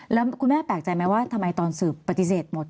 แล้วคุณแม่แปลกใจไหมว่าทำไมตอนสืบปฏิเสธหมด